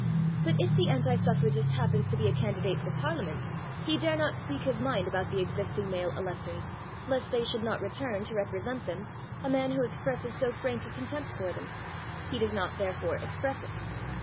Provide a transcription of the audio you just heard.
But if the anti suffragist happens to be a candidate for Parliament, he dare not speak his mind about the existing male electors, lest they should not return, to represent them, a man who expresses so frank a contempt for them; he does not, therefore, express it.